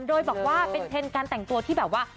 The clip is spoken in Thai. โดยบอกว่าเป็นเทรนด์การแต่งตัวที่แบบว่า